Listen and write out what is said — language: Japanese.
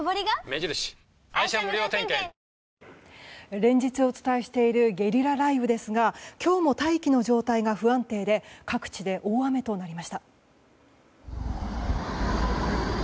連日お伝えしているゲリラ雷雨ですが今日も大気の状態が不安定で各地で大雨となりました。